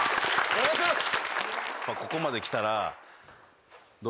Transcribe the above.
お願いします！